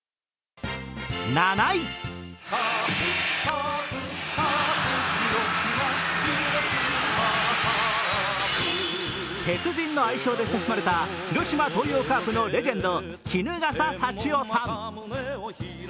７位、鉄人の愛称で親しまれた広島東洋カープのレジェンド、衣笠祥雄さん。